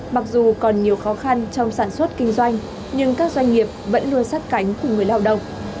mặc dù còn nhiều khó khăn trong sản xuất kinh doanh nhưng các doanh nghiệp vẫn luôn sát cánh cùng người lao động